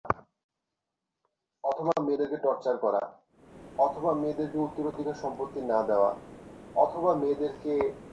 গাঙুর জন্য ওই ঠিক আছে।